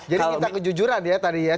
jadi kita kejujuran ya tadi ya